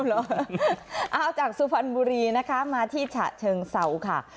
เอาจากสุพรรณบุรีนะคะมาที่ฉะเชิงเศร้าค่ะ